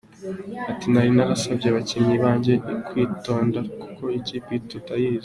Ati “Nari nasabye abakinnyi banjye kwitonda kuko ikipe tutari tuyizi.